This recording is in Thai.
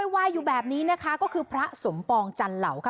วายอยู่แบบนี้นะคะก็คือพระสมปองจันเหล่าค่ะ